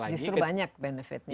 justru banyak benefitnya